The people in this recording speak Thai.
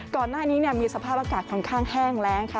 ก่อนหน้านี้มีสภาพอากาศค่อนข้างแห้งแรงค่ะ